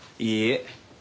いいえ。